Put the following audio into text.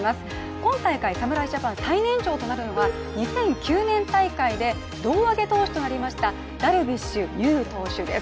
今大会、侍ジャパン最年長となるのは２００９年大会で胴上げ投手となりましたダルビッシュ有投手です。